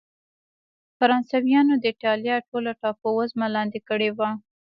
فرانسویانو د اېټالیا ټوله ټاپو وزمه لاندې کړې وه.